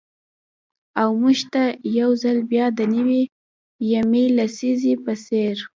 او مـوږ تـه يـو ځـل بـيا د نـوي يمـې لسـيزې پـه څـېر.